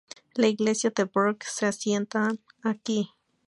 La iglesia de Berg se asienta aquí.